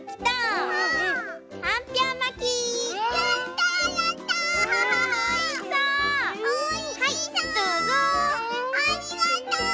ありがとう！